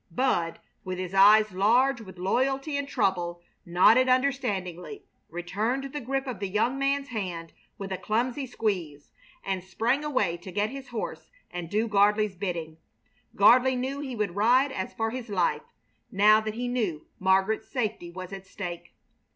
Bud, with his eyes large with loyalty and trouble, nodded understandingly, returned the grip of the young man's hand with a clumsy squeeze, and sprang away to get his horse and do Gardley's bidding. Gardley knew he would ride as for his life, now that he knew Margaret's safety was at stake.